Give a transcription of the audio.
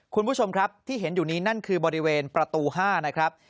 คุณผู้ชมครับที่เห็นอยู่นี้นั่นคือบริเวณประตู๕นะครับ